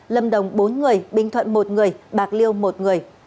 lâm đồng bốn người bình thuận một người bạc liêu một người